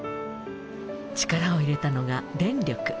力を入れたのが電力。